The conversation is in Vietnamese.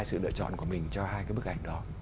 sự lựa chọn của mình cho hai cái bức ảnh đó